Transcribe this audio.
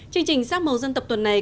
chương trình sắc màu dân tập tuần này